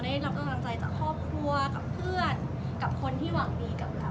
ได้รับกำลังใจจากครอบครัวกับเพื่อนกับคนที่หวังดีกับเรา